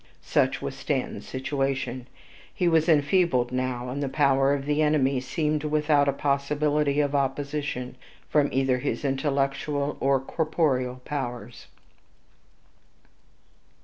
Such was Stanton's situation. He was enfeebled now, and the power of the enemy seemed without a possibility of opposition from either his intellectual or corporeal powers.